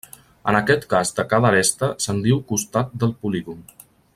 En aquest cas de cada aresta se'n diu costat del polígon.